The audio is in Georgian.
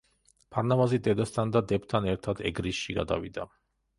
ფარნავაზი დედასთან და დებთან ერთად ეგრისში გადავიდა.